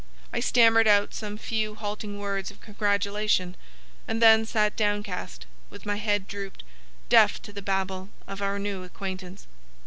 I stammered out some few halting words of congratulation, and then sat downcast, with my head drooped, deaf to the babble of our new acquaintance.